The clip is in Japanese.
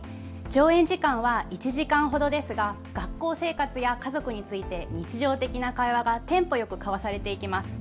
上演時間は１時間ほどですが学校生活や家族について日常的な会話がテンポよく交わされていきます。